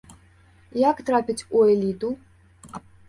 Як трапіць у эліту?